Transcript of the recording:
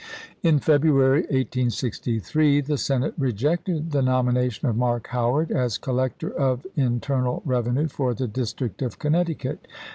In February, 1863, the Senate rejected the nomi nation of Mark Howard as collector of internal revenue for the district of Connecticut.